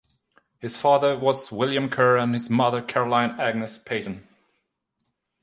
His father was William Ker and his mother Caroline Agnes Paton.